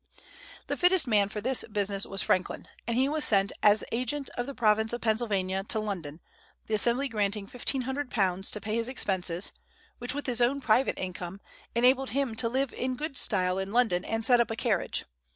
The fittest man for this business was Franklin, and he was sent as agent of the Province of Pennsylvania to London, the Assembly granting fifteen hundred pounds to pay his expenses, which, with his own private income, enabled him to live in good style in London and set up a carriage.